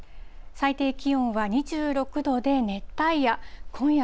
最低気温は２６度で熱帯夜。